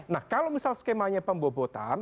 nah kalau misal skemanya pembobotan